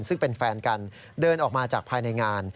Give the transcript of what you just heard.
ซึ่งเป็นแฟนกันเดินออกมาจากภายในงาน